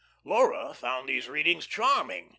Laura found these readings charming.